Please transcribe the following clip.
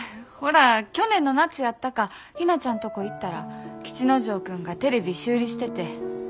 ほら去年の夏やったかひなちゃんとこ行ったら吉之丞君がテレビ修理してて。